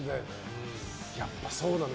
やっぱそうなんだ。